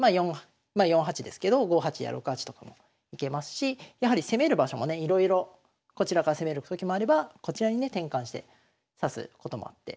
まあ４八ですけど５八や６八とかも行けますしやはり攻める場所もねいろいろこちらから攻めるときもあればこちらにね転換して指すこともあって。